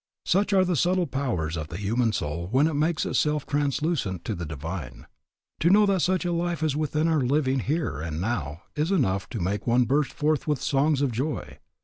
Such are the subtle powers of the human soul when it makes itself translucent to the Divine. To know that such a life is within our living here and now is enough to make one burst forth with songs of joy.